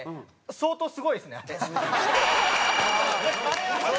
相当すごいです。